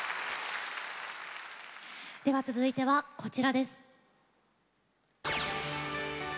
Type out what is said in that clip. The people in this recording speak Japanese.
では続いてはこちらです。